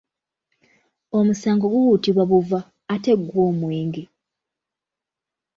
Omusango guwuutibwa buva ate gwo omwenge?